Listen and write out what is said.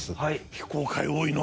非公開多いな。